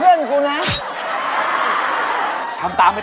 ไม่มีอะไรของเราเล่าส่วนฟังครับพี่